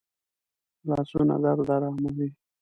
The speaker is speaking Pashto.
لاسونه درد آراموي